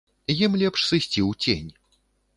Ім лепш сысці ў цень.